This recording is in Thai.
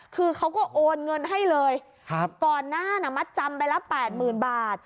คือเขาก็โอนเงินให้เลยก่อนหน้าน่ะมัดจำไปละแปดหมื่นบาท